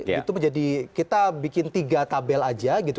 itu menjadi kita bikin tiga tabel aja gitu